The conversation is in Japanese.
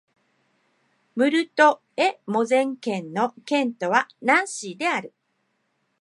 ムルト＝エ＝モゼル県の県都はナンシーである